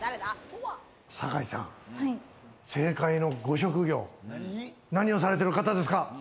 酒井さん、正解のご職業、なにをされてる方ですか？